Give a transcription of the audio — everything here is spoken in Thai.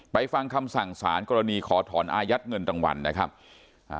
ฟังคำสั่งสารกรณีขอถอนอายัดเงินรางวัลนะครับอ่า